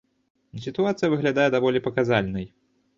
Сітуацыя выглядае даволі паказальнай.